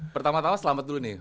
pertama tama selamat dulu nih